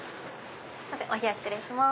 お冷や失礼します。